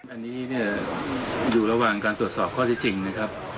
อันนี้เนี่ยอยู่ระหว่างการตรวจสอบข้อที่จริงนะครับ